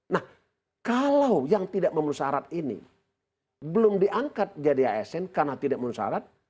nah kalau yang tidak memenusarat ini belum diangkat jadi asn karena tidak menusarat